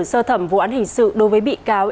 sơ thẩm vụ án hình sự đối với bị cáo